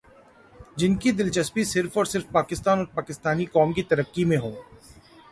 جن کی دلچسپی صرف اور صرف پاکستان اور پاکستانی قوم کی ترقی میں ہو ۔